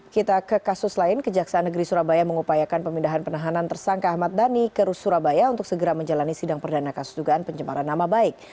kita ke kasus lain kejaksaan negeri surabaya mengupayakan pemindahan penahanan tersangka ahmad dhani ke surabaya untuk segera menjalani sidang perdana kasus dugaan pencemaran nama baik